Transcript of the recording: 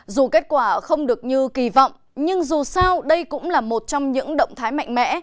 dù kết quả không được như kỳ vọng nhưng dù sao đây cũng là một trong những động thái mạnh mẽ